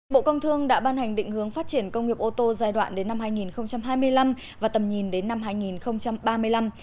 bộ công thương đã ban hành định hướng phát triển công nghiệp ô tô giai đoạn đến năm hai nghìn hai mươi năm và tầm nhìn đến năm hai nghìn ba mươi năm